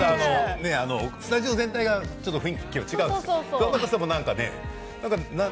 スタジオ全体が今日は雰囲気が違うんですよ。